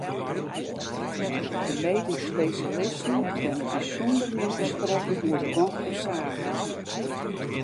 De medysk spesjalisten binne bysûnder min te sprekken oer de gong fan saken.